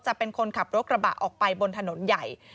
จะเป็นคนขับรถกระบะออกไปบนถนนใหญ่